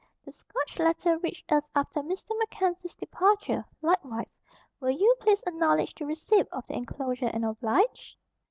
The Scotch letter reached us after Mr. MacKenzie's departure, likewise. Will you please acknowledge the receipt of the enclosure and oblige?"